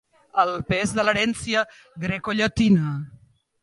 El pes de l'herència grecollatina.